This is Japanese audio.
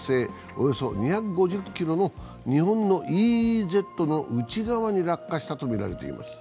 およそ２５０ｋｍの日本のＥＥＺの内側に落下したとみられています。